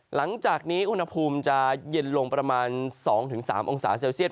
หลังจากนี้อุณหภูมิจะเย็นลงประมาณ๒๓องศาเซลเซียต